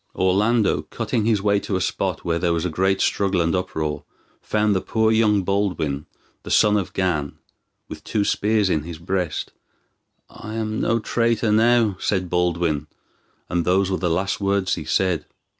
Orlando, cutting his way to a spot where there was a great struggle and uproar, found the poor youth Baldwin, the son of Gan, with two spears in his breast. "I am no traitor now," said Baldwin, and those were the last words he said.